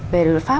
về luật pháp